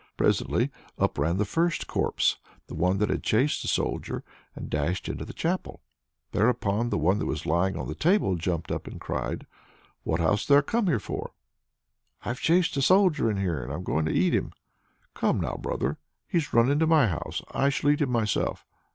Presently up ran the first corpse the one that had chased the Soldier and dashed into the chapel. Thereupon the one that was lying on the table jumped up, and cried to it: "What hast thou come here for?" "I've chased a soldier in here, so I'm going to eat him." "Come now, brother! he's run into my house. I shall eat him myself."